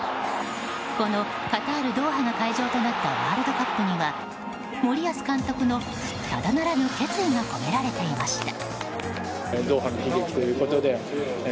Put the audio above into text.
このカタール・ドーハが会場となったワールドカップには森保監督のただならぬ決意が込められていました。